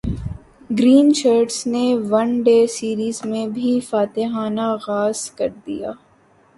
green Shirts نے one day series میں بھی فاتحانہ غاز کر دیا